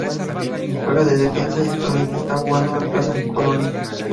Juega de defensa y actualmente está jugando en Plaza Colonia.